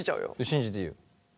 信じていいよ。